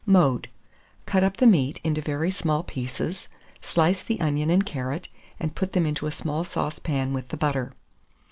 Mode. Cut up the meat into very small pieces, slice the onion and carrot, and put them into a small saucepan with the butter.